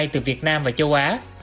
từ việt nam và châu á